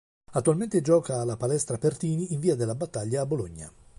Attualmente gioca alla Palestra Pertini in Via della Battaglia a Bologna.